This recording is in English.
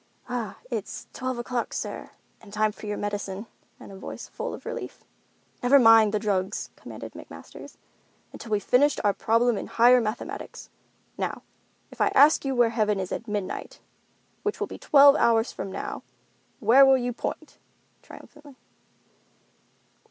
"Ah, it's twelve o'clock, sir, and time for your medicine," in a voice full of relief. "Never mind the drugs," commanded McMasters, "until we finish our problem in higher mathematics. Now, if I ask you where heaven is at midnight, which will be twelve hours from now, where will you point," triumphantly.